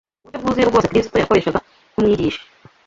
Uburyo bwuzuye rwose Kristo yakoreshaga nk’Umwigisha